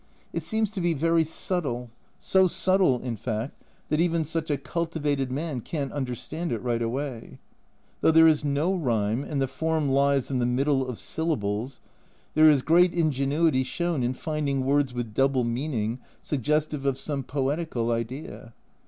It seems to be very subtle, so subtle, in fact, that even such a cultivated man can't understand it right away. Though there is no rhyme and the form lies in the middle of syllables, there is great ingenuity shown in finding words with double meaning suggestive of A Journal from Japan 161 some poetical idea.